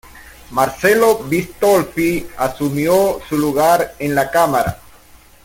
Marcelo Bistolfi asumió su lugar en la cámara.